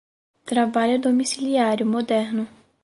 trabalho domiciliário moderno